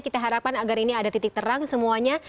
kita harapkan agar ini ada titik terang semuanya